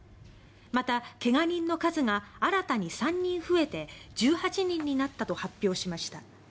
また、怪我人の数が新たに３人増えて１８人になったと発表しました。